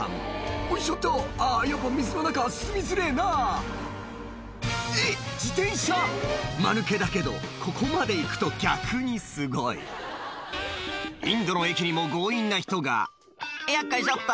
「よいしょっとあぁやっぱ水の中は進みづれぇな」えっ自転車⁉マヌケだけどここまで行くと逆にすごいインドの駅にも強引な人が「よっこいしょっと」